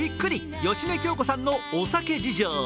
芳根京子さんのお酒事情。